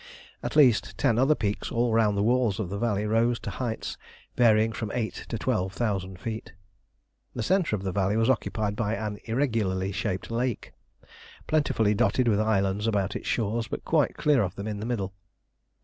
At least ten other peaks all round the walls of the valley rose to heights varying from eight to twelve thousand feet. The centre of the valley was occupied by an irregularly shaped lake, plentifully dotted with islands about its shores, but quite clear of them in the middle.